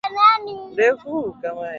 Kila mtu elfu kumi